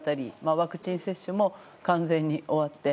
ワクチン接種も完全に終わって。